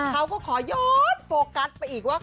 เขาก็ขอย้อนโฟกัสไปอีกว่า